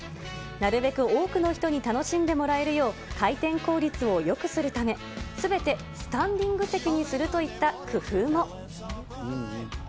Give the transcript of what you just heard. なるべく多くの人に楽しんでもらえるよう、回転効率をよくするため、すべてスタンディング席にするといった工夫も。